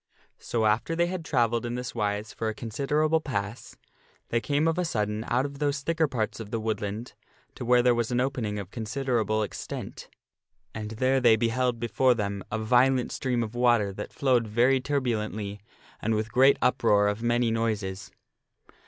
So after they had travelled in this wise for a considerable pass they came of a sudden out of those thicker parts of the woodland to where was an opening of considerable extent. And there they beheld before them a violent stream of water that flowed very turbulently and with great uproar of many noises.